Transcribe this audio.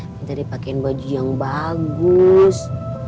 minta dipakein baju yang bagus